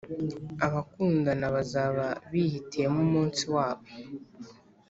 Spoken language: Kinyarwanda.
’abakundana bazaba bihitiyemo umunsi wabo